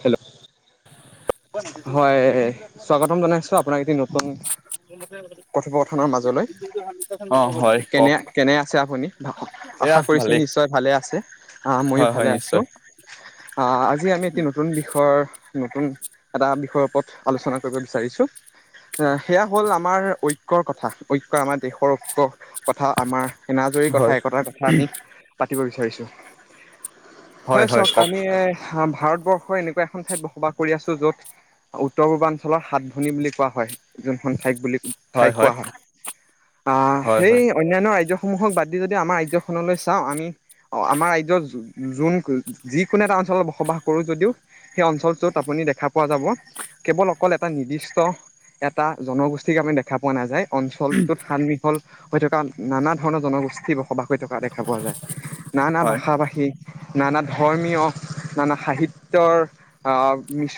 Hello হয় স্বাগতম জনাইছো আপোনাক এটি নতুন কথোপথনৰ মাজলৈ অ হয় কেনে কওক কেনে আছে আপুনি এয়া আশা কৰিছো ভালেই নিশ্চয় ভালে আছে আহ মইও হয় হয় ভালে আছো নিশ্চয় আহ আজি আমি এটি নতুন বিষয়ৰ নতুন এটা বিষয়ৰ ওপৰত আলোচনা কৰিব বিচাৰিছো সেয়া হ'ল আমাৰ ঐক্য কথা ঐক্য আমাৰ দেশৰ কথা আমাৰ এনাজৰীৰ কথা হয় একতাৰ কথা আমি পাতিব বিচাৰোঁ থৈছোঁ হয় চাঁওক আমি ভাৰতবৰ্ষ এনেকুৱা এখন ঠাইত বসবাস কৰি আছো য'ত উত্তৰ পূৰ্বাঞ্চলৰ সাত ভনী বুলি কোৱা হয় যোনখন ঠাইক বুলি ঠাইক কোৱা হয় আহ হয় সেই হয় অন্যান্য ৰাজ্য সমূহক বাদ দি যদি আমাৰ ৰাজ্যখনলৈ চাওঁ আমি আমাৰ ৰাজ্যৰ যোন যিকোনো এটা অঞ্চলত বসবাস কৰোঁ যদিও সেই অঞ্চলটোত আপুনি দেখ পোৱা যাব কেৱল অকল এটা নিৰ্দিষ্ট এটা জনগোষ্ঠীৰ আমাক দেখা পোৱা নাযায় অঞ্চলটোত সানমিহল হৈ থকা নানা ধৰণৰ জনগোষ্ঠী বসবাস হৈ থকা দেখা পোৱা যায় নানা হয় ভাষা ভাষী নানা ধৰ্মীয় নানা সাহিত্য অ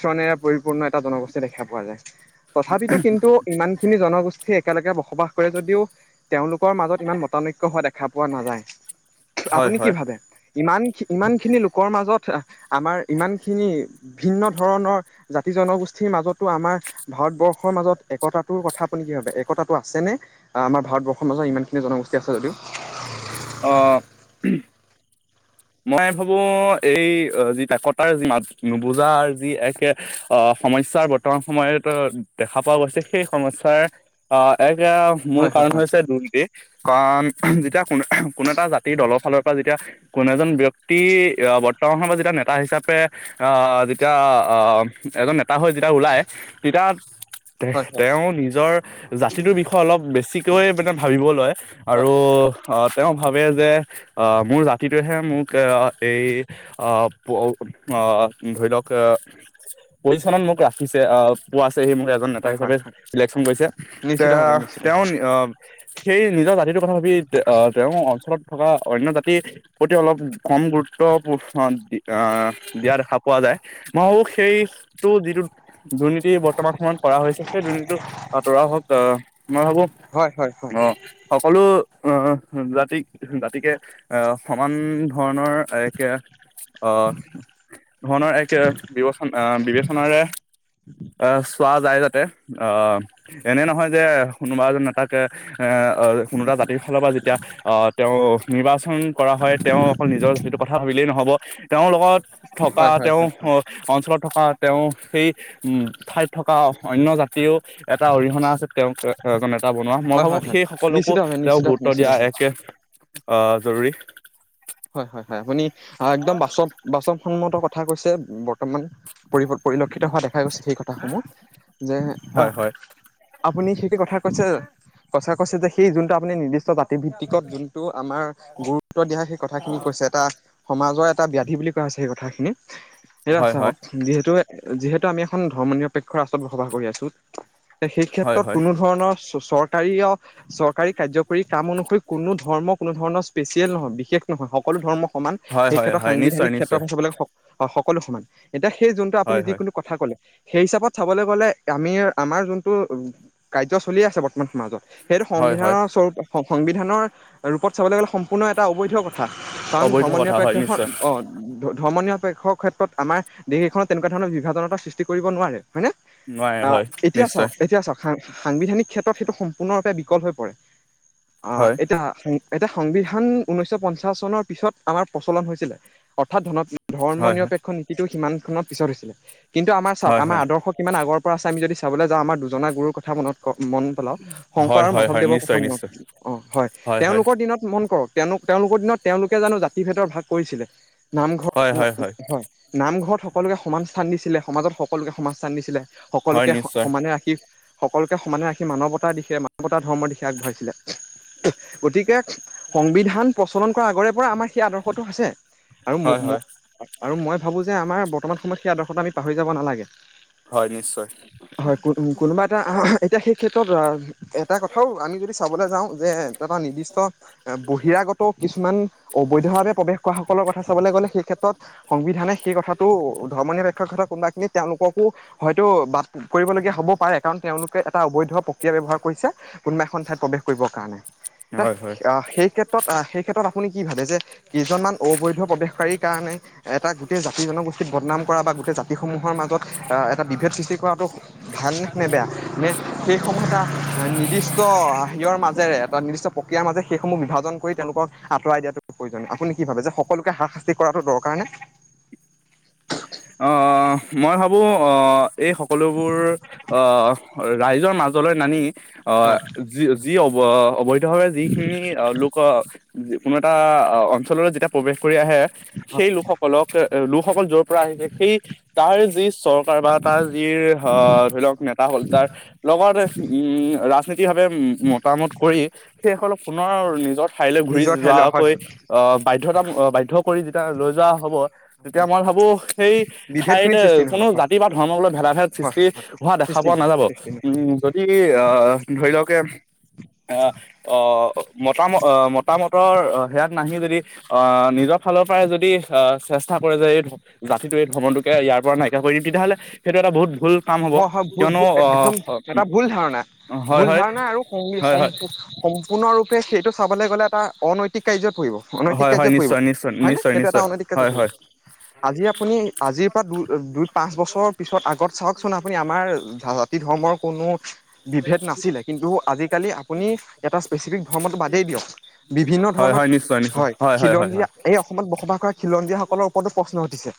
মানে পৰিপূৰ্ণ এটা জনগোষ্ঠী দেখা পোৱা যায় তথাপিতো কিন্তু ইমান খিনি জনগোষ্ঠীয়ে একেলগে বসবাস কৰে যদিও তেওঁলোকৰ মাজত ইমান মতানৈক্য হোৱা দেখা পোৱা নাযায় হয় আপুনি কি হয় ভাবে ইমান ইমানখিনি লোকৰ মাজত আমাৰ ইমান খিনি ভিন্ন ধৰণৰ জাতি জনগোষ্ঠীৰ মাজতো আমাৰ ভাৰতবৰ্ষৰ মাজত একতাটোৰ কথা আপুনি কি ভাবে একতাটো আছেনে আমাৰ ভাৰতবৰ্ষৰ মাজত ইমানখিনি জনগোষ্ঠী আছে যদিও অ মই ভাবো এই যি একতাৰ যি মাত নুবুজাৰ যি এক আহ সমস্যাৰ বৰ্তমান সময়ত দেখা পোৱা গৈছে সেই সমস্যাৰ অ এক এতিয়া মূল হয় হয় কাৰণ হয় হৈছে দুনটি কাৰণ যেতিয়া কোন কোনো এটা জাতিৰ দলৰ ফালৰ পৰা যেতিয়া কোনো এজন ব্যক্তি বৰ্তমান সময়ত যেতিয়া নেতা হিচাপে আহ যেতিয়া এজন নেতা হৈ যেতিয়া ওলাই তেতিয়া হয় তেওঁ নিজৰ জাতিটোৰ বিষয়ে অলপ বেছিকৈ মানে ভাবিব লয় আৰু হয় অ তেওঁ ভাবে যে অ মোৰ টোহে মোক এই ধৰি লওক পৰিচন্ন মোক ৰাখিছে পোৱা সেই মখে এজন নেতা হয় হয় হিচাপে হয় চিলেকশচন কৰিছে নিশ্চিতভাৱে তেওঁ নিশ্চিতভাৱে সেই নিজৰ জাতিটো তথাবি তেওঁৰ অঞ্চলত থকা অন্য জাতি প্ৰতি অলপ কম গুৰুত্ব দি অ দিয়া দেখা পোৱা যায় ময়ো সেইটো যিটো দুৰ্নীতি বৰ্তমান সময়ত কৰা হৈছে সেই দুৰ্নীতিটো আতৰা হওক আহ মই ভাবো হয় হয় হয় অ সকলো অ জাতি জাতিকে অ সমান ধৰণৰ একে অ ধৰণৰ এক বিবেচনা বিবেচনাৰে অ চোৱা যায় অ এনে নহয় যে কোনোবা এজন নেতাকে এ কোনো এটা জাতিৰ ফালৰ পৰা এতিয়া আহ তেওঁ নিৰ্বাচন কৰা হয় তেওঁ অকল নিজৰ যিটো কথা ভাবিলেই নহ'ব তেওঁৰ লগত থকা, হয় হয় তেওঁ হয় হয় অ' অঞ্চলত থকা তেওঁ সেই উম, ঠাইত থকা অন্য জাতিও এটা অৰিহণা আছে তেওঁক জনক। বনোৱা মই হয় ভাবো, হয় হয় সেই সকলকো নিশ্চিতভাৱে তেওঁক নিশ্চিত গুৰুত্ব দিয়া নিশ্চিতভাৱে একে অ' জৰুৰী হয়-হয়-হয়, আপুনি একদম বাচক-বাচক সন্মত কথা কথা কৈছে বৰ্তমান পৰি পৰিলক্ষিত হোৱা দেখা দেখা গৈছে সেই কথা সমূহ। যে হয় অ' হয় আপু আপুনি সেইটো কথা কৈছে সঁ‌চা কৈছে যে সেই যোনটো আপুনি নিৰ্দিষ্ট জাতি ভিত্তিকত যোনটো আমাৰ গুৰুত্ব দিয়া হয়। আপুনি কৈছে এটা সমাজৰ এটা ব্যাধি বুলি কোৱা হৈছে সেই কথাখিনি। সেইটো হয় আছে হয় আহওক যিহেতু, যিহেতু আমি এখন ধৰ্ম নিৰপেক্ষৰ ৰাষ্ট্ৰত বসবাস কৰি আছোঁ‌। সেই হয় ক্ষেত্ৰত হয় কোনো ধৰণৰ চৰকাৰী-চৰকাৰী কাৰ কৰি কাম অনুসৰি, কোনো ধৰ্ম, কোনো ধৰণৰ স্পেচিয়েল নহয়, বিশেষ নহয় সকলো ধৰ্ম সমান হয় সেই হয় ক্ষেত্ৰত হয় নিশ্চয় সাংবিধানিক ক্ষেত্ৰৰ নিশ্চয় পা চাবলৈ হয়, সকলো সমান এতিয়া সেই জোনটো হয় আপুনি হয় যিকোনো কথা ক'লে সেই হিচাপত চাবলৈ গ'লে আমি আমাৰ যোনটো কাৰ্য চলি আছে মাজত, সেইটো হয় সংবিধানৰ হয় স্বৰূপ সংবিধানৰ ৰূপত চাবলৈ গ'লে কোনো এটা অবৈধ কথা ত কাৰণ অবৈধ ধৰ্ম্ম কথা হয় নিৰপেক্ষেখন নিশ্চয় অ, ধ ধৰ্ম নিৰপেক্ষৰ ক্ষেত্ৰত আমাৰ দেশ এখনত তেনেকুৱা ধৰণৰ বিভাজনতা সৃষ্টি কৰিব নোৱাৰে। হয়নে? নোৱাৰে অ' হয় এতিয়া নিশ্চয় চাওক, এতিয়া চাওক সাংবিধানিক ক্ষেত্ৰত সেইটো সম্পূৰ্ণৰূপে বিকল হৈ পৰে। অ' হয় এটা এতিয়া সংবিধান ঊনৈশ পঞ্চাশ চনৰ পিছত আমাৰ প্ৰচলন হৈছিলে, অৰ্থাৎ ধন ধৰ্ম হয় হয় নিৰপেক্ষ নীতিটো সিমান নৰ পিছত হৈছিলে কিন্তু আমাৰ চাওক হয় আমাৰ হয় আদৰ্শ কিমান আগৰ পৰা আছে আম যদি চালৈ যাওঁ আমাৰ দুজনা গুৰুৰ কথা মনত মন পেলাও শংকৰ হয় আৰু হয় হয় মাধৱদেৱৰ কথা নিশ্চয় মনত নিশ্চয় অ' হয়। তেওঁলোকৰ দিনত মন কৰক তেওঁলোক তেওঁলোকৰ দিনত তেওঁলোকে জানো জাতি ভেদৰ ভাগ কৰিছিলে? নামঘৰ হয় হয় হয় নামঘৰত সকলোকে সমান স্থান দিছিলে। সমাজত সকলোকে সমাজ স্থান দিছিলে। হয় সকলোকে নিশ্চয় সমানে ৰাখি। সকলোকে সমানে ৰাখি মানৱতাৰ দিশে মানৱতা ধৰ্মৰ দিশে আগবঢ়াইছিলে গতিকে সংবিধান প্ৰচলন। আগৰ পৰা আছে সেই আদৰখটো আছে। হয় হয় আৰু মই ভাবোঁ যে আমাৰ বৰমান সময়ত স আদৰ্শত আমি পাহৰি যাবা লাগে। হয় নিশ্চয় হয় ক কোনোবা এটা এতিয়া সেই ক্ষেত্ৰত এটা কথাও আমি যদি চাবলৈ যাওঁ যে। এটা নিৰ্দিষ্ট এ বহিৰাগত কিছুমান অবৈধভাৱে প্ৰৱেশ কৰা সকলৰ কথা চাবলৈ গ'লে সেই ক্ষেত্ৰত সংবিধান সেই কথাটো ধৰ্ম নিৰপেক্ষৰ ক কোনোবা খিনি তেওঁলোককো হয়তো ব কৰিবলগীয়া হ'ব পাৰে কাৰণ তেওঁলোকে এটা অবৈধ প্ৰক্ৰিয়া ব্যৱহাৰ কৰিছে। কোনোবা এখন ঠাইত প্ৰৱেশ কৰিবৰ কাৰণে। এ হয় হয় অ' সেই ক্ষেত্ৰত অ' সেই ক্ষেত্ৰত আপুনি কি ভাবে যে কেইজনমান অবৈধ প্ৰৱেশকাৰীৰ কাৰণে এটা গোটেই জাতি জনগোষ্ঠীক বদনাম কৰা বা গোটেই জাতিসমূহৰ মাজত এটা বিভেদ সৃষ্টি কৰাটো ভালনে নে বেয়া নে? সেইসমূহ এটা নিৰ্দিষ্ট হিৰৰ মাজেৰে এটা নিৰ্দিষ্ট প্ৰক্ৰিয়াৰ মাজে সেইসমূহ বিভাজন কৰি তেওঁলোকক আঁতৰাই দিয়াতটো প্ৰয়োজন আপুনি কি ভাবে যে সকলোকে হা শাস্তি কৰাটো দৰকাৰ নে? অ' মই ভাবো অহ। এই সকলোবোৰ অ' ৰাইজৰ মাজলৈ নামি অ' য যি অ' অ' অৱশ্য ধৰ যিখিনি লোকৰ কোনো এটা অঞ্চললৈ যেতিয়া প্ৰৱেশ আহে সেই হয়, লোকসকলক লোক সকল জ পৰা আহিছে সেই তাৰ যি চৰকাৰ বা তাৰ যি ধৰি লওক নেতা হল তাৰ লগত উম ৰাজনীতি ভাৱে মতামত কৰি সেইসকল পুনৰ নিজৰ ঠাইলৈ ঘূৰি নিজৰ ঠাইলৈ হয় যোৱাকৈ হয় আহ বাধ্য়তা বাধ্য কৰি যেতিয়া লৈ যোৱা হ'ব তেতিয়া মই ভাবোঁ‌। সেই বিভেদ ঠাইত খিনি সৃষ্টি নহ'ব কোনো হয় জাতি বা ধৰ্মক লৈ ভেদা ভেদ হয় সৃষ্টি হয় হোৱা দেখা সৃষ্টি পোৱা নহয় নাযাব। সৃষ্টি নহয়। উম যদি আ ধৰি লওক এ আহ অ অঁ। মতা - ম - অ মতামতৰ অহ সেয়াত নাহিও যদি অ নিজৰ ফালৰ পৰাই যদি অ চেষ্টা কৰে যে [unintelligible] জাতিটো এই ভ্ৰমণটোকে ইয়াৰ পৰা নাইকিয়া কৰি দিম তেতিয়াহ'লে সেইটো এটা বহুত ভুল কাম হ'ব হয় হয় ভ কিয়নো একদম আহ এটা ভুল ধাৰণা হয় ভুল হয় ধাৰণা আৰু হয় সম হয় সম্পূৰ্ণৰূপে সেইটো চাবলৈ গ'লে। এটা অনৈতিক কাৰ্যত। অনৈতিক হয় হয় কাৰ্যয়ত পৰিব নিশ্চয় নিশ্চয় হয় ন নিশ্চয় সেইটো এটা নিশ্চয় অনৈতিক কাৰ্যয়ত হয় পৰি হয় আজি আপুনি আজিৰ পৰা দু দুই পাঁচ বছৰৰ পিছত আগত চাওক। আপুনি আমাৰ জাতি ধৰ্ম। কোনো। বিভেদ নাছিলে কিন্তু আজিকালি আপুনি এটা স্পেচিফিক ধৰ্মটো বাদেই দিয়ক বিভিন্ন হয় ধৰণৰ হয় নিশ্চয় নিশ্চয় হয় হয় খিলঞ্জীয়াা হয় এই অসমত বসবাস কৰা খিলঞ্জীয়া সকলৰ ওপৰতো প্ৰশ্ন উটিছে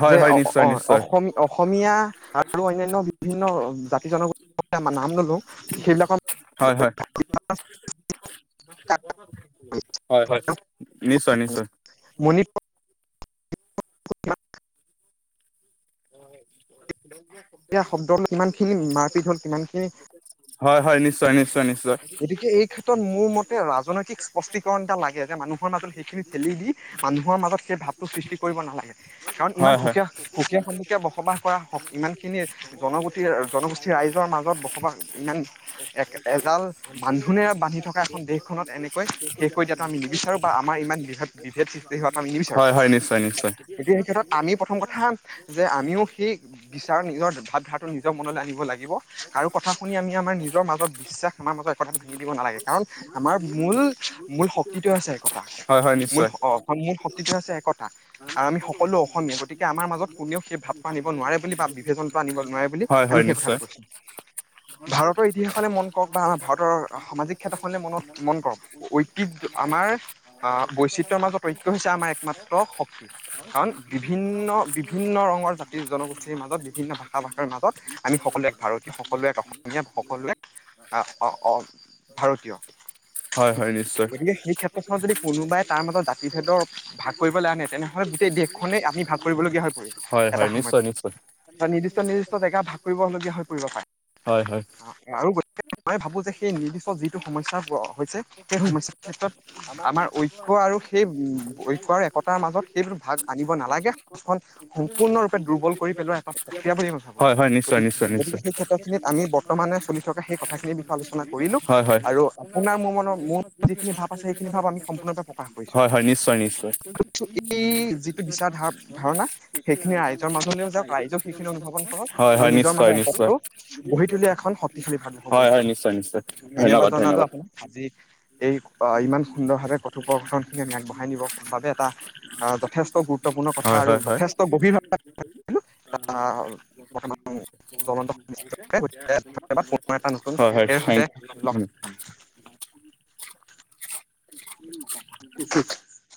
হয় যে হয় অ নিশ্চয় অ নিশ্চয় অসম অসমীয়া। আৰু অন্যান্য বিভিন্ন জাতি জনগোষ্ঠীৰ আম নাম ললো সেইবিলাকৰ হয় হয় হয় হয় নিশ্চয় নিশ্চয় ় হয় সয়া শব্দ ল কিমান খিনি মাৰপি ধ হ'ল কিমানখিনি হয় হয় নিশ্চয় নিশ্চয় নিশ্চয় গতিকে এই ক্ষেত্ৰত মোৰ মতে ৰাজনৈতিক স্পষ্টিকণ এটা লাগে যে মানুহৰ মাজত সেইখিনি ঠেলি দি মানুহৰ মাজত সেই ভাৱ সৃষ্টি কৰিব নালাগে কাৰণ ইমান হয় হয় সুকীয়া সুকীয়া সন্মুকে বসবাস কৰা ইমান খিনি জনগোতি জনগোষ্ঠীৰ ৰাইজৰ মাজত বসবাস ইমান এ এজাল বান্ধোনেৰে বান্ধি থকা এখন দেশখনত এনেকৈ শেষ কৰি দিয়াটো আমি নিবিচাৰো বা আমাৰ ইমান বিভেদ বিভেদ সৃষ্টি হোৱাটো আমি নিবিচাৰো হয় হয় নিশ্চয় নিশ্চয় গতিয়া সেই ক্ষেত্ৰত আমি প্ৰথম কথা যে আমিও সেই নিজৰ ভাৱ ধাৰাটো নিজৰ মনলৈ আনিব লাগিব কাৰো কথা শুনি আমি আমাৰ নিজৰ মাজত বিশ্বাস আমাৰাজত কথাটো ভাঙি দিব নাগে কাৰণ আমাৰ মূল মূল শক্তিটো আছে একটা হয় হয় মূল নিশ্চয় শক্তি হৈছে একতা আৰু আমি সকলো অসমীয়া গতিকে আমাৰ মাজত কোনেও সেই ভাৱটো আনিব নোৱাৰে বুলি ভাবি কেইজন টানিব নোৱাৰে বুলি হয় আমি হয় সেই কথাটো নিশ্চয় কৈছো ভাৰতৰ ইতিহাসখনে মন কৰক বা আমাৰ ভাৰতৰ সামাজিক ক্ষেত্ৰ খনে মনত মন কৰক ঐতিহ্ আমাৰ আহ বৈচিত্ৰৰ মাজত ঐক্য হৈছে আমাৰ একমাত্ৰ শক্তি কাৰণ বিভিন্ন বিভিন্ন ৰঙৰ জাতি জনগোষ্ঠীৰ মাজত। বিভিন্ন ভাষা ভাষাৰ মাজত আমি সকলোৱে এক ভাৰতীয় সকলোৱে এক অসমীয়া সকলোৱে ভাৰতীয়। হয় হয় নিশ্চয় গতিকে সেই ক্ষেত্ৰখনত যদি। কোনোবাই তাৰ মাজত জাতিভেদৰ ভাগ কৰিবলে আনে, তেনেহ'লে গোটেই দেশখনে আমি ভাগ কৰিবলগীয়া হয়। হয় হয়, নিশ্চয় নিশ্চয়। নিৰ্দিষ্ট-নিৰ্দিষ্ট জেগা ভাগ কৰিবলগীয়া হৈ পৰিব হয় হয় পাৰে। আৰু মই ভাবো যে সেই নিৰ্দিষ্ট যিটো সমস্যা হৈছে, সেই সমস্যাৰ ক্ষেত্ৰত আমাৰ ঐক্য আৰু সেই উ-ঐক্য আৰু একতাৰ মাজত সেই ভাগ আনিব নালাগে, সমাজখন সম্পূৰ্ণৰূপে দুৰ্বল কৰি পেলোৱা [unintelligible] তেতিয়া বুলি [unintelligible] হয় হয় নিশ্চয় নিশ্চয় গতিকে-গতিকে নিশ্চয় সেই ক্ষেত্ৰখিনিত আমি [unintelligible] চলি থকা সেই কথাখিনিৰ বিষয়ে আলোচনা কৰিলো হয় আৰু আপোনাৰ মোৰ মনৰ মোৰ যিখিনি ভাৱ আছে সেইখিনি ভাৱ আমি সম্পূৰ্ণৰূপে প্ৰকাশ কৰিছো হয়, নিশ্চয় নিশ্চয়। এই যিটো বিচাৰ ধাৰ ধাৰণা সেইখিনি ৰাইজৰ মাজলৈও যাওক ৰাইজেও সেইখিনি অনুভাবন কৰক। হয় আৰু হয় নিজৰ নিশ্চয় মাজত নিশ্চয় একতাটো গ [unintelligible] এখন সত শালী ভাৰতবৰ্ষ হয় কৰিছ, হয় নিশ্চয় নিশ্চয় ধন্যবাদ জনালো আপোনাক, আজি এই ইমান সুন্দৰভাৱে কথোপকথনখিনি আমি আগবঢ়াই নিবৰ বাবে এটা আহ যথেষ্ট গুৰুত্বপূৰ্ণ কথা হয় আৰু হয় হয়। [unintelligible] যথেষ্ট গভীৰ বৰ্তমান জ্বলন্ত সমস্যা গতিকে ধন্যবাদ পুনৰ এটা নতুন হয় হয়, এৰ সৈতে থেংক লগ [unintelligible] [unintelligible] [unintelligible]